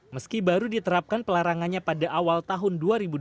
meski baru diterapkan pelarangannya pada awal tahun dua ribu dua puluh